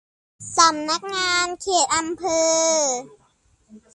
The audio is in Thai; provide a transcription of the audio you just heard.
สำนักงานเขตอำเภอ